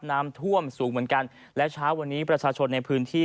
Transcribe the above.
น้ำท่วมสูงเหมือนกันและเช้าวันนี้ประชาชนในพื้นที่